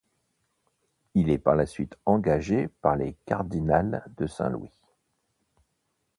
Il est par la suite engagé par les Cardinals de Saint-Louis.